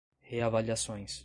reavaliações